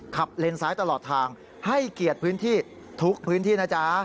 เลนซ้ายตลอดทางให้เกียรติพื้นที่ทุกพื้นที่นะจ๊ะ